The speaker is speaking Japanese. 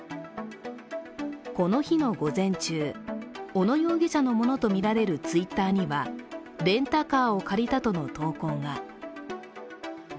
この日の午前中、小野容疑者のものとみられるＴｗｉｔｔｅｒにはレンタカーを借りたとの投稿が。